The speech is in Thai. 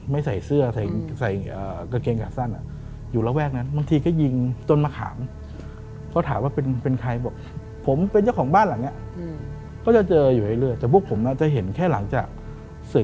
ไม่ใส่เสื้อ